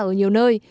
ở nhiều nơi